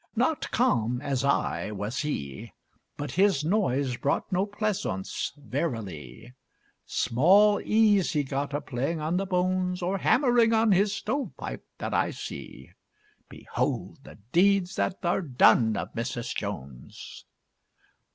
Not calm, as I, was he; But his noise brought no pleasaunce, verily. Small ease he got of playing on the bones Or hammering on his stove pipe, that I see. Behold the deeds that are done of Mrs. Jones!